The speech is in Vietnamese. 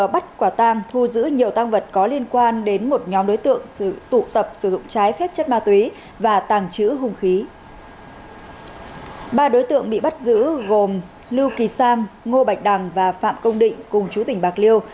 ba đối tượng bị bắt giữ gồm lưu kỳ sang ngô bạch đằng và phạm công định cùng chú tỉnh bạc liêu